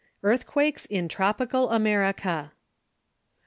EARTHQUAKES IN TROPICAL AMERICA.